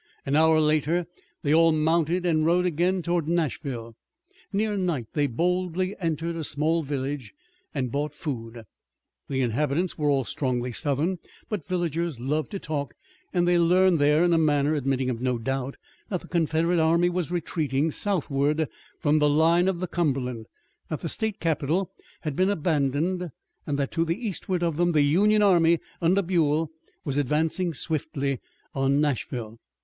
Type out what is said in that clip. An hour later they all mounted and rode again toward Nashville. Near night they boldly entered a small village and bought food. The inhabitants were all strongly Southern, but villagers love to talk, and they learned there in a manner admitting of no doubt, that the Confederate army was retreating southward from the line of the Cumberland, that the state capital had been abandoned, and that to the eastward of them the Union army, under Buell, was advancing swiftly on Nashville.